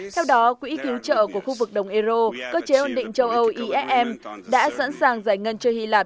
theo đó quỹ kiếm trợ của khu vực đồng ero cơ chế ổn định châu âu iem đã sẵn sàng giải ngân cho hy lạp